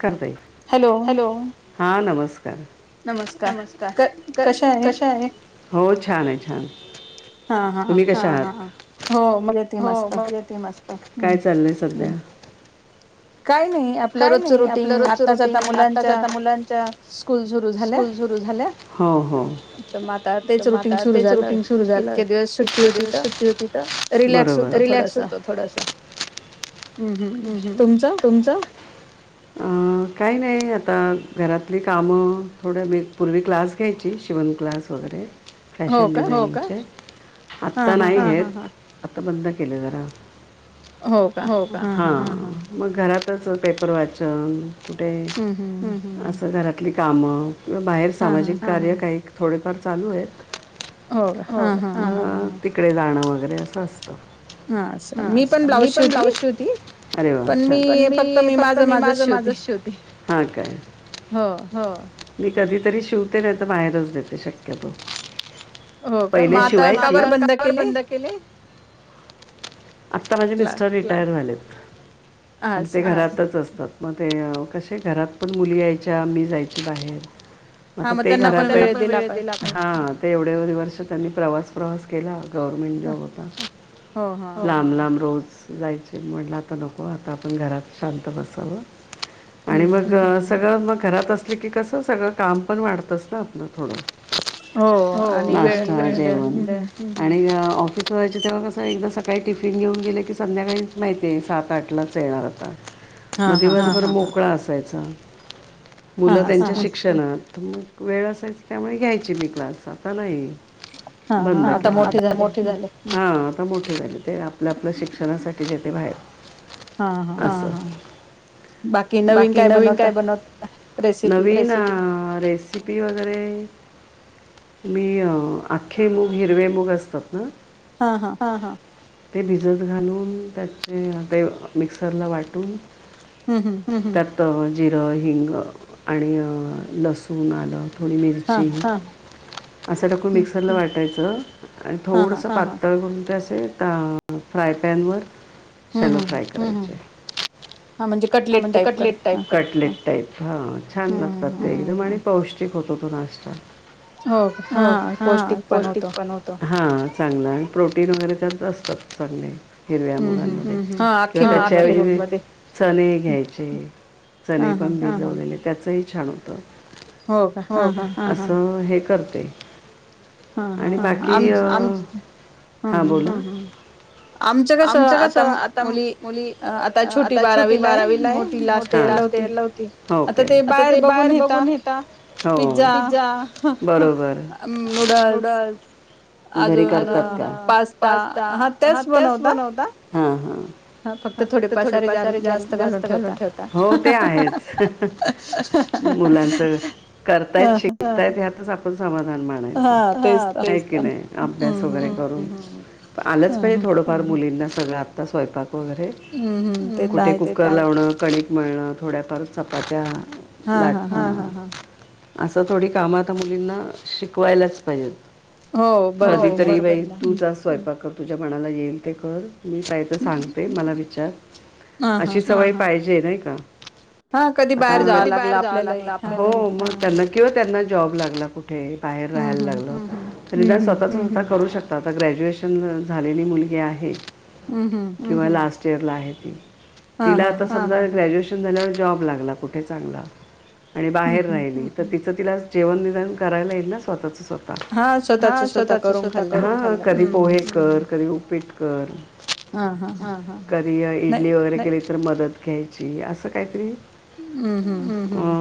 करताई hello हा नमस्कार नस् कश आहे हो छान आहे छान तुम्ही कशा आहात हो म मस्त काय चाललंय सध्या काय नाही आपलं रोजच रुटीन आताच्या आता मुलांच्या स्कूल सुरू आ झा इ दिव रिॅक्स होत थोडसा हम्म हम्म् तुमचं काही नाही आता घरातली कामं थोडं मी पूर्वी क्लास घ्यायची शिवण क्लास वगैरे फॅशन डिझाईनिंगचे आता नाही घ आता बंद केले जरा हो का ह म घरातच पेपर वाचन कुठे असं घरातली कामं बाहेर सामाजिक कार्य काही थोडेफार चालू आहेत हो तिकडे जाणं वगैरे असं असतं हा मी पण लावची होती अरे पण मी मी माझ माझ शेवती काय हो मी कधीतरी शिवते नाही तर बाहेरच देते शक्यतो पहिल्याशिवाय आता कावर बंद केले आत्ता माझे मिस्टर रिटायर झाले अ सा असतात मग ते कसे घरात पण मुली यायच्या मी जायची बाहेर आता ते घराता ते एवढे एवढे वर्ष त्यांनी प्रवास प्रवास केला गव्हर्मेंट जॉब होता लांब लांब रोज जायचे म्हणलं आता नको आता आपण घरात शांत बसावं आणि मग सगळं मग घरात असले की कसं सगळं काम पण वाढतंच ना आपलं थोडं नाश्ता जेवण आणि ऑफिस व्हायचे तेव्हा कसं एकदा सकाळी टिफिन घेऊन गेले की संध्याकाळीच माहिती आहे सात आठलाच येणार आता. म दिवसभर मोकळा असायचा, मुलं त्यांच्या शिक्षणात. वेळ असायची त्यामुळे घ्यायची मी क्लास आता नाही. बंद केलं. हां. मोठे झाले ते आपल्या आपल्या शिक्षणासाठी गेले बाहेर. हां, हां. बाकी नवीन काय बनव होता? अ रेसिपी वगैरे मी आख्खे मुग, हिरवे मुग असतात ना हां, हां. ते भिजत घालून, त्याचे ते मिक्सरला वाटून त्यात जिरं, हिंग, आणि अ लसूण, आल थोडी मिरची. असं टाकून मिक्सरला वाटायचं आणि थोडस पातळ करून तेे असे फ्राय पॅन वर शालो फ्राय करायचे. हा म्हणजे कटलेट टाईप. टाईप ह. छान लागतात ते एकदम आणि पौष्टिक होतो तो नाश्ता. हो हा पौष्टिक पण होतो. हां चांगला आणि प्रोटीन वगैरे त्याच असतात चांगले. हिरव्या मुघांमध्ये. किंवा त्याच्या वेगळी. चने घ्यायचे, चने पण बिजवलेले त्याचंही छान होतं. हो का असं हे करते. आणि बाकी अ हा बोला. आमचं कस आता मुली छोटी बारावीला आहे, मोठी लास्ट इयरला होती. आता ते बाहेर बघून येता हो पिझा, नूडल्स, पास्ता, हा तेच बनवता. हा फक्त थोडे पसारे जास्त जास्त घालून ठेवता. करतायत शिकतायत ह्यातच आप समाधान मानायच हा. होय की नाही अभ्यास वगैरे करून. आलंच पाहिजे थोडंफार मुलींना सगळं आत्ता स्वयंपाक. हम्म हम्म. कुठे कुक्कर लावणं, कणिक मळणं, थोड्याफार चपात्या, लाटन. असं थोडी काम आता मुलींना शिकवायलाच पाहिजेत. कधी तरी बाई तूच आज स्वयंपाक कर तुझ्या मनाला येईल ते कर, मी पाहिजे तर सांगते मला विचार अशी सवय पा जे नाही का? आता कधी बाहेर जावा लागलं तर हो मग न किंवा त्यांना जॉब लागला कुठे बाहेर राहायला लागलं तर निदान स्वतः च स्वतः करू शकत आता ग्रॅज्युएशन झालेली मुलगी आहे, किंवा लास्ट इयर ला आहे ती. तिला आता समजा ग्रॅज्युएशन झाल्यावर जॉब लागला कुठे चांगला आणि बाहेर राहिली तर तिचं तिला जेवण निदान करायला येईल ना स्वतःच स्वतः हा स्वतः च स्वतः ता करून हा कधी पोहे कर, कधी उपीट कर, हां, हां. घरी कधी तर मदत घ्यायची असं काहीतरी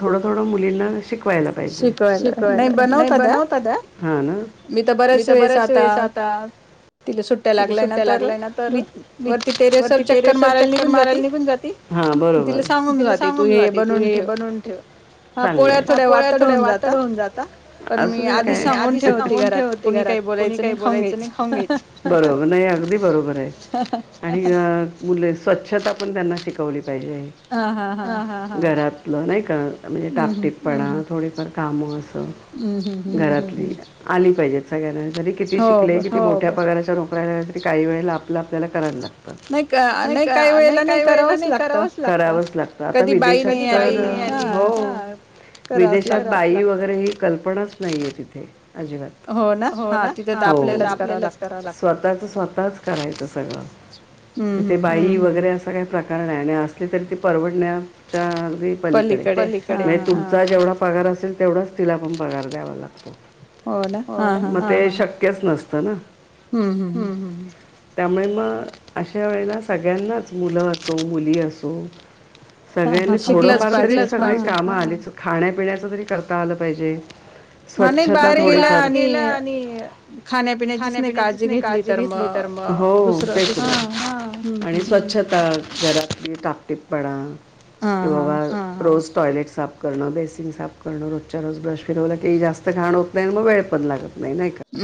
थोडं थोडं मुलींना शिकवायला पाहिजे. हा ना? तिथ सुट्ट्या लागलंय ना तर मी वरती टेरेस तर चक्कर मारायला निघून जाती, हा बरोबर तिला सांगून जाते तू हे हे बनवून ठेव. चांगलं आहे. पोळ्या थोड्या वातड होऊन जाता असू दे काय आधीच. सांगून ठेवते घरात कोणी काही बोलायचं नाही खाऊन घ्यायचं बरोबर, नाही अगदी बरोबर आहे. आणि मुले स्वच्छता पण त्यांना शिकवली पाहिजे हा हा हा घरातलं नाही का म्हणजे टापटीपपणा हुं थोडीफार कामं असं घरातली आली, पाहिजेत सगळ्यांना. जरी किती शिकले किती मोठ्या पगाराच्या नोकऱ्या लागल्या तरी काही वेळला आपल आपल्याला करायला लागत नाही नाही काही वेळेला नाही करावंच लागत. करावंच लागत आता विदेशात तर कधी बाई नाही आली. [inaudible] विदेशात बाई वगैरे ही कल्पनाच नाहीये, तिथे अजिबात हो ना,, तिथं तर आपल्यालाच कराव लागत. स्वतःच स्वतःच करायचं सगळं. तिथे बाई वगैरे असा काही प्रकार नाही. आणि असली तरी ती परवडण्याच्या पलीकडे पलीकडे म्हजे तुमचा जेवढा पगार असेल तेवढाच तिला पण पगार द्यावा लागतो. हो ना मग ते शक्य तेच नसतं ना, हुं हुं हुं त्यामुळे मग अशी त्या वेळेला सगळ्यांनाच मुलं असो मुली असो सगळ्यांनी थोडंफार शिकलच पाहिजे तरी काम आली खाण्यापिण्याच तरी करता आलं पाहिजे. स्वच्छता थोडीफार पात गेल आणि खाण्यापिण्याचीच नाय काळजी घेतली तर मग हो तेच ना आणि स्वच्छता घरातली टापटीपपणा की बाबा हा हा रोज टॉयलेट साफ करणं, बेसीन साफ करणं, रोजच्या रोज ब्रश फिरवलं की जास्त घाण होत नाय आणि मग वेळ पण लागत नाही नाही का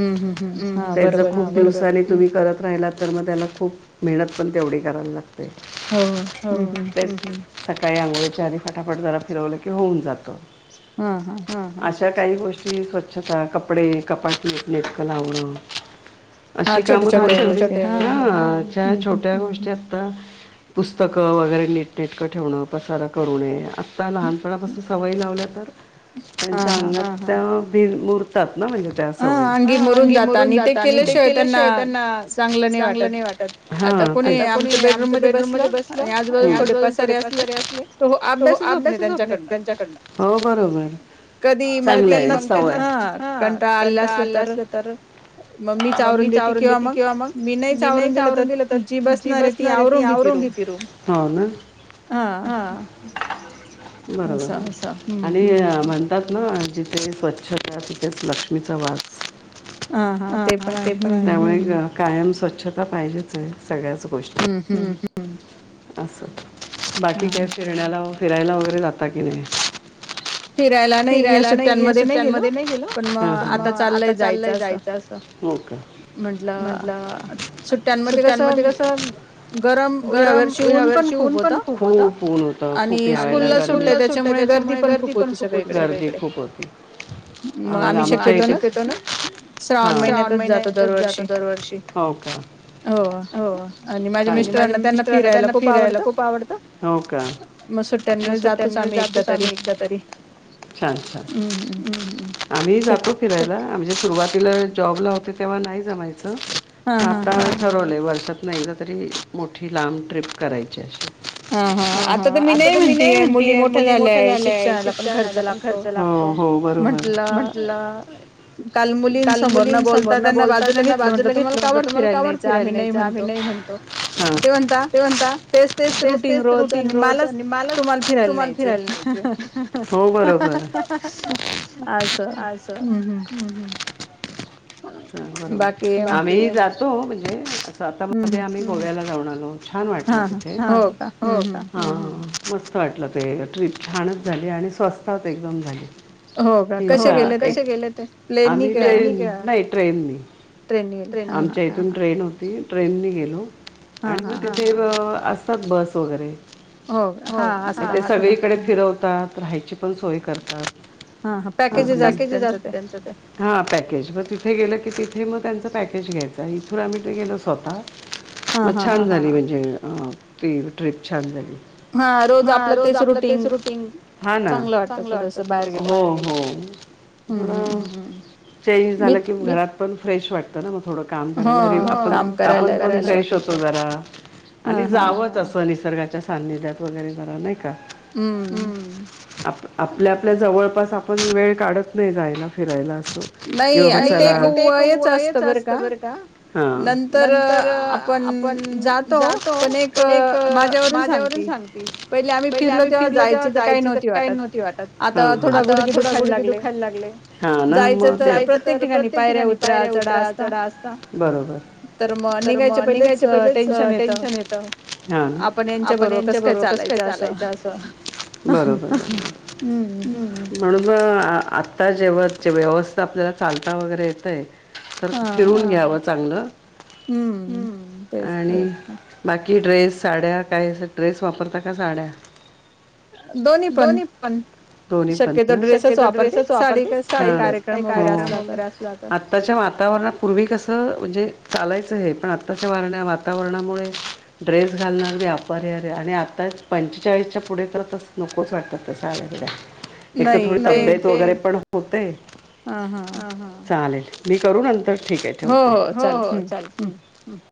तेच जर खूप दिवसानी तुम्ही करत राहिला तर मग त्याला खूप मेहनत पण तेवढी करायला लाग ते हो हो तेच सकाळी अंघोळीच्या आधी फटाफट जरा फिरवलं की, होऊन जातं. हा हा अशा काही गोष्टी स्वच्छता, कपडे कपाट नीटनेटके लावणं. अशी काम थोडी थोडी, अश्या या छोट्या गोष्टी पुस्तकं वगैरे नीटनेटक ठेवणे, पसारा करू नये. अस त्या लहानपणापासून सवयी लावल्या तर, त्यांच्या अंगात त्या भिन मुरतात. न त्या सवयी अंगी मुरून जात आणि ते केल्याशिवाय त्यांना चांगलं नाही वाटत. हा आता कोणी आमच्या बेडरूम मध्ये बसलं आणि आजूबाजून थोडे पसारे असले तो अभ्यासच होत नाहीत त्यांच्याकडन, हो बरोबर चांगलं आहे सवय ह कंटाळा आलेला असला तर, म मीच आवरून देते किंवा मग मी नाई आवरून दिल तर जी बसणार आहे ती आवरून घेती रूम हो ना हां बरोबर अस आणि म्हण तात ना 'जिथे स्वच्छता तिथेच लक्ष्मीचा वास'. हा हा ते पण आहे त्यामुळे कायम स्वच्छता पाहिजेच आहे सगळ्याच गोष्टीत हूं हूं असं बाकी काय फिरण्याला फिरायला वगैरे जाता की नाय? फिरायला नाही या सुट्ट्यांमध्ये नाही गेलो पण म आता चाललंय जाय अस हो का. म्हंटलं सुट्ट्यांमध्ये कसं गरम ह्या वर्षी ऊन पण खूप होत. आणि स्कूलला सुट्ट्या त्याच्यामुळे गर्दी पण खूप पण खूप होती. गर्दी खूप होती आम्हाला आमच्या इथे हा श्रावण महिन्यातच जातो दरवर्षी हो का हो म्हणजे माझ्या मिस्टरांना त्यांना फिरायला खूप आवडतं. हो का मग सुट्ट्यांमिळ जातोच आम्ही एकदा तरी छान छान आम्ही ही जातो फिरायला म्हणजे सुरुवातीला जॉबला होते तेव्हा नाही जमायचं पण आता ठरवलय व र्षातना एकदातरी तरी मोठी लांब ट्रीप करायची अशी हा हा आता तर मी नाही म्हणतीय मुली मोठंया झाल्याय शिक्षणाला पण खर्च लाग हो हो हो बरोबर म्हटलं काल मुलीं समोर न बोलता त्यांना बाजूला घेतलं म्हणटलं तुम्हाला का बरं फिरायला नेयच आम्ही नाही म्हणतो ते म्हणता तेच तेच रुटीन रोज आणि मालच तुम्हाला फिरायला न्यायचय हो बरोबर अस हूं हूं ह बरोबर आम्ही ही जातो. तो म्हणजे आता मध्ये आम्ही गोव्याला जावून आलो. छान वाटलं तिथे ह ह हो का ह ह मस्त वाटलं ते ट्रीप छानच झाली आणि स्वस्तात एकदम झाली. हो का कशे गेले होते प्लॅन नी का नाही ट्रेननी ट्रेननी गेले हा हा. ट्रेन होती ट्रेननी गेलो आणि मग तिथे असतात बस वगैरे. हो का म ते सगळीकडे फिरवतात राहायची पण सोय करतात. पॅकेजच असत त्याच ते हा पॅकेज व ति तिथे गेलं की तिथे मग त्यांचं पॅकेज घ्यायचं इथून आम्ही ते गेलो स्वतः मग छान झाली म्हणजे ती अ ट्रीप छान झाली. हा रोज आपलं तेच रुटीन हा ना चांगलं वाटत थोडसं हो हो. थोडं चेंज झालं कि मग घरात पण फ्रेश वाटतं ना मग थोड काम करायला हो काम करायला आपण आपण पण फ्रेश होतो जरा. आणि जावंच असं निसर्गाच्या सान्निध्यात वगैरे जरा नाही का अम्म. आप आपल्या आपल्या जवळपास आपण वेळ काढत नाही जायला फिरायला. कि बाबा चला नाही आणि ते एक वयंच अस बर का नंतर आपण जातो पण एक माझ्यावरून सांगतीय. पहिले आम्ही फिरलो तेव्हा जायची तर काही नव्हती वाटत आता थोडा गुडगे दुखायला लागले. हा ना मग जायच तर प्रत्येक ठिकाणी पायऱ्या उतरा चढा असतं बरोबर. तर मग निघायच्या पहिलेच टेन्शन येत हा आपण यांच्याबरोबर कसं? चालायचं असं बरोबर म्हणुन म आत ता जेव्हा जे व्यवस्थित आपल्याला चालता वगैरे येतंय तर फिरून घ्यावं चांगलं. हं आणि बाकी ड्रेस साड्या काय अस ड्रेस वापरता का साड्या? दोनी पण. दोन्ही पण ना शक्यतो ड्रेसच वापरते साडी कस काही कार्यक्रम वगैरे असला तर आताच्या वातावरण मला पूर्वी कसं म्हणजे चालायचं हे पण आत्ताच्या वागण्या वातावरणामुळे ड्रेस घालणारी अपरिहार्य आणि आताच पंचेचाळीसच्या पुढे तर आता नकोच वाटतात त्या साड्या. एक तर थोडी तबेत वगैरे पण होते चालेल मी करू नंतर? ठीक आहे ठेवते हो हो चालेलं हं हं.